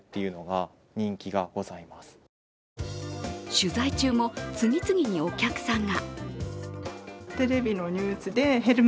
取材中も次々にお客さんが。